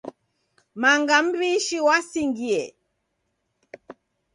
Manga mbishi wasingiye.